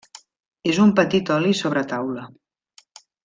És un petit oli sobre taula.